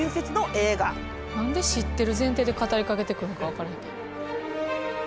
何で知ってる前提で語りかけてくるのか分からへんけど。